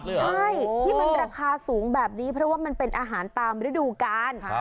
ใช่ที่มันราคาสูงแบบนี้เพราะว่ามันเป็นอาหารตามฤดูกาล